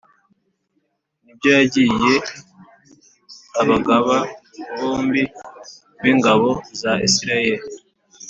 n’ibyo yagiriye abagaba bombi b’ingabo za Isirayeli